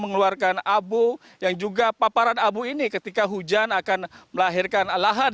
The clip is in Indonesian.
mengeluarkan abu yang juga paparan abu ini ketika hujan akan melahirkan lahan